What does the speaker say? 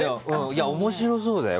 面白そうだよ。